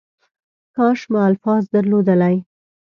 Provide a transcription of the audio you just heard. کاش ما الفاظ درلودلی .